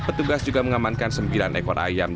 petugas juga mengamankan sembilan ekor ayam